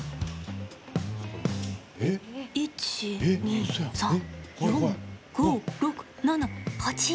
１、２、３、４５、６、７、８。